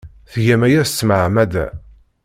Tgam aya s tmeɛmada.